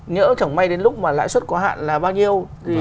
nhỡ chẳng may đến lúc mà lại xuất khóa hạn là bao nhiêu